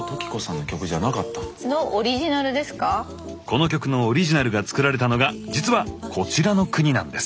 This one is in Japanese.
この曲のオリジナルが作られたのが実はこちらの国なんです。